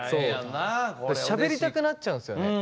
しゃべりたくなっちゃうんですよね。